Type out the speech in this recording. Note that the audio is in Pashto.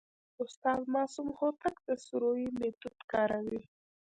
استاد معصوم هوتک د سروې میتود کاروي.